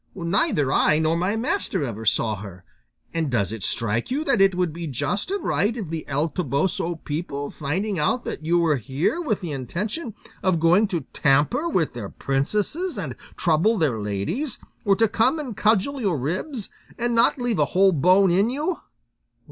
Neither I nor my master ever saw her. And does it strike you that it would be just and right if the El Toboso people, finding out that you were here with the intention of going to tamper with their princesses and trouble their ladies, were to come and cudgel your ribs, and not leave a whole bone in you?